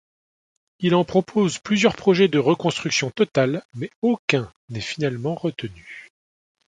Il en propose plusieurs projets de reconstruction totale mais aucun n'est finalement retenu.